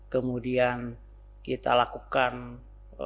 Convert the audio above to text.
kemudian kita lakukan diklat diklat